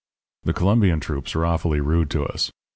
"The Colombian troops were awfully rude to us.